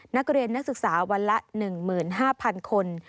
นักเรียนนักศึกษาวันละ๑๕๐๐๐คน